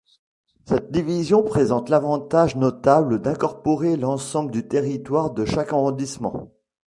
Cette division présente l'avantage notable d'incorporer l'ensemble du territoire de chaque arrondissement.